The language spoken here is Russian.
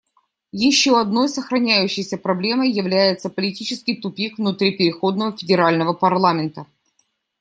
Еще одной сохраняющейся проблемой является политический тупик внутри переходного федерального парламента.